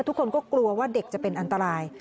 ทุกคนก็กลัวว่าเด็กจะเป็นอันตราย